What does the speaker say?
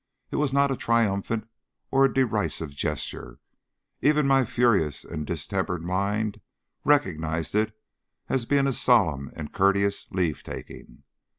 It was not a triumphant or a derisive gesture. Even my furious and distempered mind recognised it as being a solemn and courteous leave taking.